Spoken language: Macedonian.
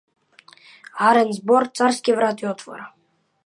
Арен збор царски врати отвора.